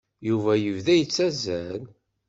Yuba yebda yettazzal.